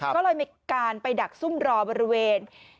ก็เลยมีการไปดักซุ่มรอบริเวณ